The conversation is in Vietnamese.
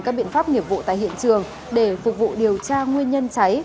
các biện pháp nghiệp vụ tại hiện trường để phục vụ điều tra nguyên nhân cháy